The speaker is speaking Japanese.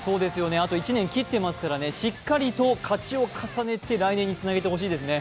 あと１年切っていますからねしっかりと勝ちを重ねて来年につなげてほしいですね。